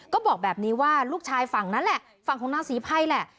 ก็บอกแบบนี้ว่าลูกชายฝั่งนั้นแหละฝั่งของนางศรีไพรแหละ